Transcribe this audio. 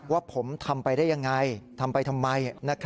ว่าผมทำไปได้ยังไงทำไปทำไม